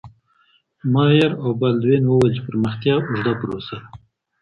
ماير او بالدوين وويل چی پرمختيا اوږده پروسه ده.